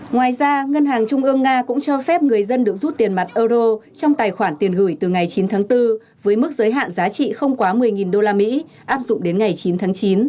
ngoài ra ngân hàng trung ương nga cũng cho phép người dân được rút tiền mặt euro trong tài khoản tiền gửi từ ngày chín tháng bốn với mức giới hạn giá trị không quá một mươi usd áp dụng đến ngày chín tháng chín